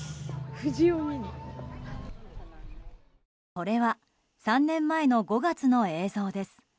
これは３年前の５月の映像です。